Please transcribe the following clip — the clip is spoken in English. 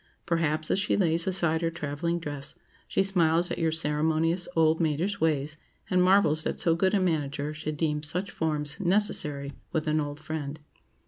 Perhaps, as she lays aside her travelling dress, she smiles at your "ceremonious, old maidish ways," and marvels that so good a manager should deem such forms necessary with an old friend.